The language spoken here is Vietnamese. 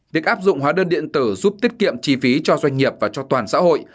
việc áp dụng hóa đơn điện tử giúp tiết kiệm chi phí cho doanh nghiệp và cho toàn xã hội